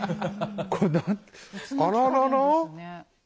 これあららら？